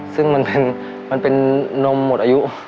ซึ่งมันเป็นนมหมดอายุ